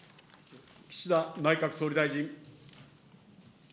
岸田内閣総理大臣。